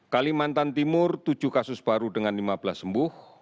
kalimantan timur tujuh kasus baru dengan lima belas sembuh